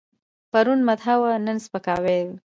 پرون مدح وه، نن سپکاوی دی.